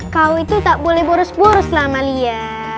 kau itu tak boleh boros boros lah amalia